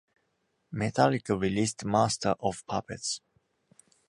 Metallica released "Master of Puppets".